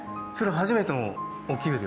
初めてのお給料？